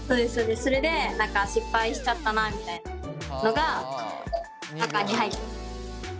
それで失敗しちゃったなみたいなのがここに入ってる。